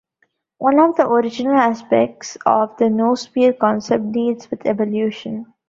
One of the original aspects of the noosphere concept deals with evolution.